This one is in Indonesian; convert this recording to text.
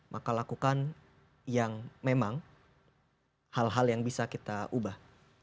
maka lakukan yang memang hal hal yang bisa kita ubah